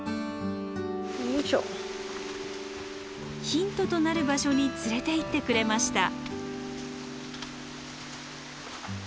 ヒントとなる場所に連れていってくれました。